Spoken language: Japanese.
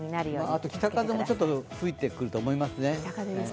あと北風も吹いてくると思いますね。